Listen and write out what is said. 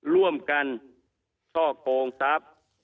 ร่วมกันช่อโกงทัพ